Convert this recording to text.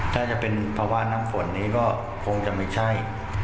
ถ้าจะเป็นภาวะน้ำฝนนี้ก็คงจะไม่ใช่